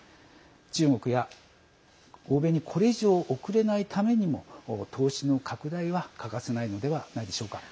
中国や欧米にこれ以上おくれないためにも投資の拡大は欠かせないのではないでしょうか。